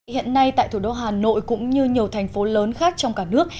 hiện nay tại thủ đô hà nội cũng như nhiều thành phố lớn khác trong cả nước